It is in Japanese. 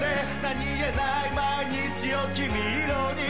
何気ない毎日を君色に